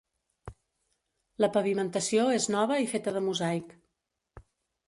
La pavimentació és nova i feta de mosaic.